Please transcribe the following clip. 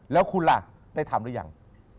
แล้วคุณล่ะได้ทำหรือยัง